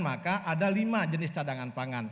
maka ada lima jenis cadangan pangan